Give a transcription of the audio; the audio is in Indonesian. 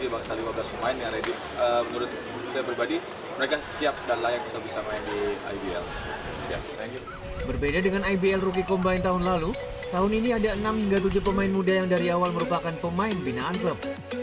berbeda dengan ibl rookie combine tahun lalu tahun ini ada enam hingga tujuh pemain muda yang dari awal merupakan pemain binaan klub